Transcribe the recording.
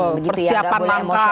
gak boleh emosional